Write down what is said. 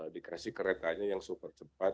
dikasih keretanya yang super cepat